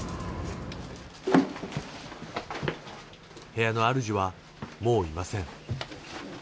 部屋の主はもういません。